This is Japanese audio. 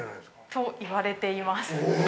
◆と言われています。